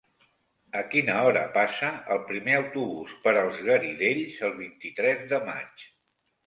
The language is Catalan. A quina hora passa el primer autobús per els Garidells el vint-i-tres de maig?